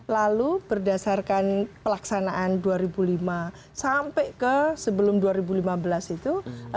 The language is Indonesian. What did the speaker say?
lalu berdasarkan pelaksanaan dua ribu lima sampai ke sebelum dua ribu lima belas itu